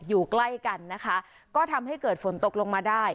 อยู่ใกล้กันนะคะก็ทำให้เกิดฝนตกลงมาได้